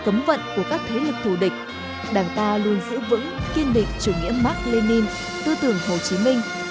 trong vận của các thế lực thù địch đảng ta luôn giữ vững kiên định chủ nghĩa mark lenin tư tưởng hồ chí minh